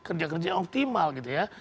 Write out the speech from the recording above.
kerja kerja yang optimal gitu ya